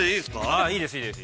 ◆ああ、いいです、いいです